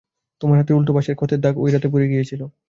তোমার হাতের উল্টো পাশের ক্ষতের দাগ ঐ রাতে পুড়ে গিয়ে হয়েছিল।